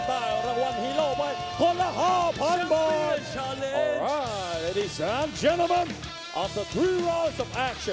ไปบนเวทีดีกว่าตามไปตามไปตามไป